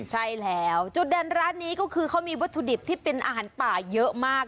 ใช่แล้วจุดเด่นร้านนี้ก็คือเขามีวัตถุดิบที่เป็นอาหารป่าเยอะมาก